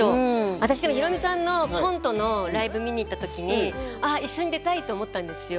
ヒロミさんのコントのライブを見に行った時に一緒に出たいって思ったんですよ。